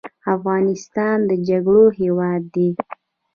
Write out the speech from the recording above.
افغانستان د جګړو هیواد دی